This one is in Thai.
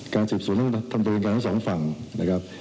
การเจ็บส่วนต้องทำโดยการทั้งสองฝั่งนะครับ